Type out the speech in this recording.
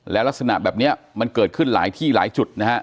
และลักษณะแบบนี้มันเกิดขึ้นหลายที่หลายจุดนะฮะ